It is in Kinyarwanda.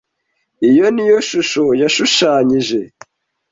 Iyo niyo shusho yashushanyije.